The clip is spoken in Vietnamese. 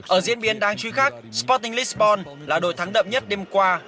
ở diễn biến đáng chú ý khác sporting lisbon là đội thắng đậm nhất đêm qua